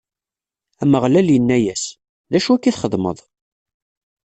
Ameɣlal inna-yas: D acu akka i txedmeḍ?